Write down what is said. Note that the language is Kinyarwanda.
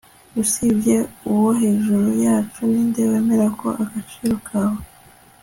usibye uwo hejuru yacu, ninde wemera ko agaciro kawe